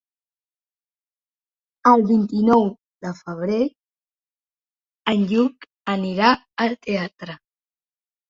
El vint-i-nou de febrer en Lluc anirà al teatre.